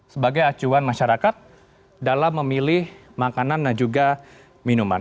sebagai acuan masyarakat dalam memilih makanan dan juga minuman